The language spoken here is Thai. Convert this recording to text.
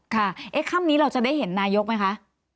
ค่ำนี้เราจะได้เห็นนายกไหมคะ